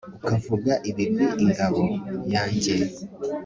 ukavuga ibigwi ingabo yanjye